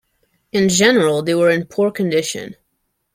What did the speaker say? In general they were in poor condition.